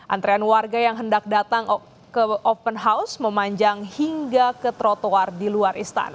antrean warga yang hendak datang ke open house memanjang hingga ke trotoar di luar istana